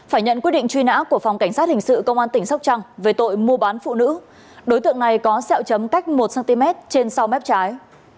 phải nhận quyết định truy nã của phòng cảnh sát hình sự công an tỉnh sóc trăng về tội mua bán phụ nữ đối tượng này có xeo chấm cách một cm trên sau mép trái